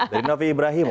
dari novi ibrahim